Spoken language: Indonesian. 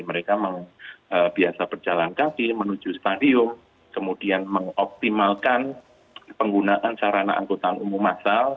mereka biasa berjalan kaki menuju stadion kemudian mengoptimalkan penggunaan sarana angkutan umum masal